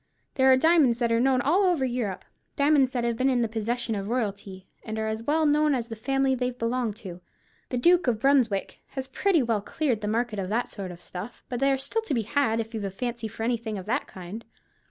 There are diamonds that are known all over Europe; diamonds that have been in the possession of royalty, and are as well known as the family they've belonged to. The Duke of Brunswick has pretty well cleared the market of that sort of stuff; but still they are to be had, if you've a fancy for anything of that kind?"